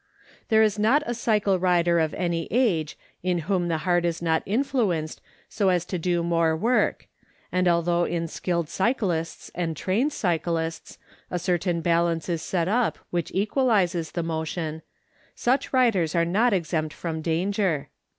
There is not a cycle rider of any age in whom the heart is not influenced so as to do more work, and although in skilled cyclists and trained cyclists a certain balance is set up which equalizes the motion, such riders are not exempt from danger.